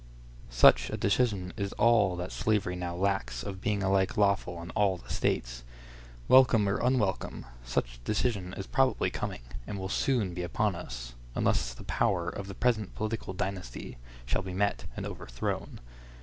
Such a decision is all that slavery now lacks of being alike lawful in all the States. Welcome or unwelcome, such decision is probably coming, and will soon be upon us, unless the power of the present political dynasty shall be met and overthrown.